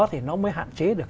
thì nó mới hạn chế được